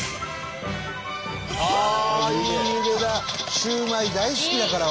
シューマイ大好きだから俺。